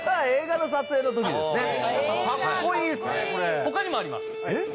他にもあります。